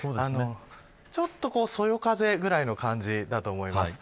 ちょっと、そよ風くらいの感じだと思います。